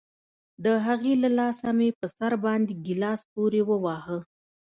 د هغې له لاسه مې په سر باندې گيلاس پورې وواهه.